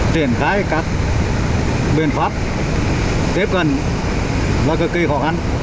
triển khai các biện pháp tiếp cận và cực kỳ khó khăn